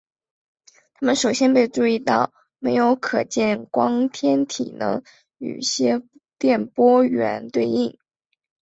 它们首先被注意到没有可见光天体能与些电波源对应。